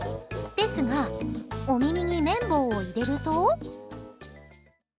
ですがお耳に綿棒を入れると。